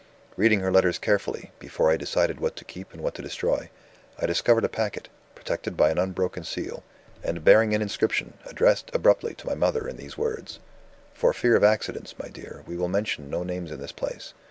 Reading her letters carefully, before I decided what to keep and what to destroy, I discovered a packet, protected by an unbroken seal, and bearing an inscription, addressed abruptly to my mother in these words: 'For fear of accidents, my dear, we will mention no names in this place.